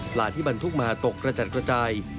ที่บรรทุกมาตกกระจัดกระจาย